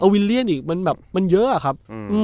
วิลเลียนอีกมันแบบมันเยอะอะครับ